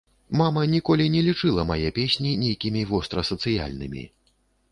Мама ніколі не лічыла мае песні нейкімі вострасацыяльнымі.